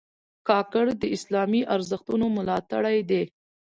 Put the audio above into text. کاکړ د اسلامي ارزښتونو ملاتړي دي.